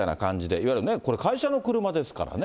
いわゆるね、これ、会社の車ですからね。